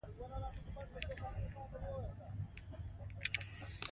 د ماشوم وده وڅارئ.